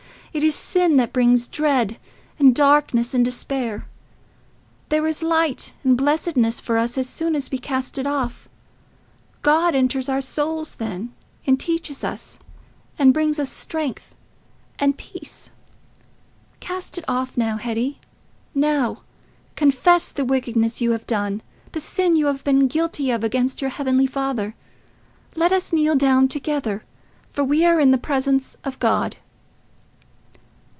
It is sin that brings dread, and darkness, and despair: there is light and blessedness for us as soon as we cast it off. God enters our souls then, and teaches us, and brings us strength and peace. Cast it off now, Hetty—now: confess the wickedness you have done—the sin you have been guilty of against your Heavenly Father. Let us kneel down together, for we are in the presence of God."